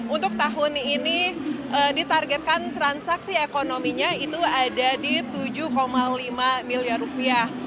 untuk tahun ini ditargetkan transaksi ekonominya itu ada di tujuh lima miliar rupiah